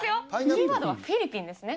キーワードはフィリピンですね。